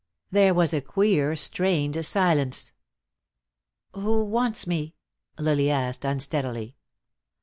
There was a queer, strained silence. "Who wants me?" Lily asked, unsteadily.